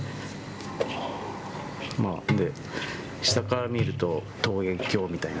下から見ると桃源郷みたいな。